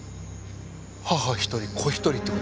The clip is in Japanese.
母一人子一人って事ですか？